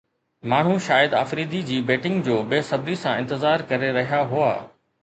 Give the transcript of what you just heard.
ماڻهو شاهد آفريدي جي بيٽنگ جو بي صبري سان انتظار ڪري رهيا هئا